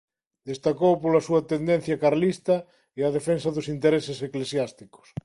Destacou pola súa tendencia carlista e a defensa dos intereses eclesiásticos.